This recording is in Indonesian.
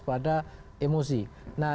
pada emosi nah